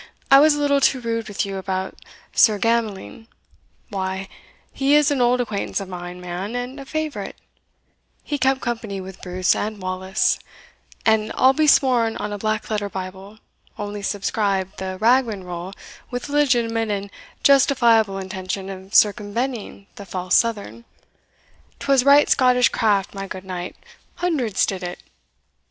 I was a little too rude with you about Sir Gamelyn why, he is an old acquaintance of mine, man, and a favourite; he kept company with Bruce and Wallace and, I'll be sworn on a black letter Bible, only subscribed the Ragman roll with the legitimate and justifiable intention of circumventing the false Southern 'twas right Scottish craft, my good knight hundreds did it.